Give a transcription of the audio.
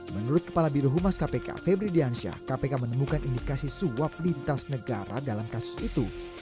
menurut kepala birohumas kpk febri diansyah kpk menemukan indikasi suap lintas negara dalam kasus itu